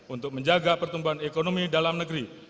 untuk menjaga pertumbuhan ekonomi dalam negeri